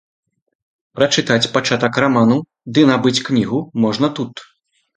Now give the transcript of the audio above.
Прачытаць пачатак рамана ды набыць кнігу можна тут.